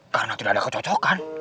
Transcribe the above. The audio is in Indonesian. karena tidak ada kecocokan